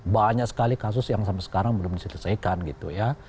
banyak sekali kasus yang sampai sekarang belum diselesaikan gitu ya